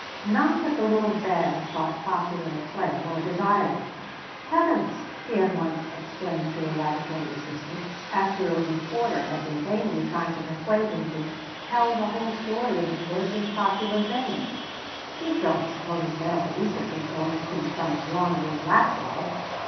Not that the little band sought popular acclaim, or desired it. "Heavens!" he had once exclaimed to a laboratory assistant, after a reporter had been vainly trying to persuade him to "tell the whole story of his work in popular vein," "you don't suppose medical research is going to become a drawing room lap dog!"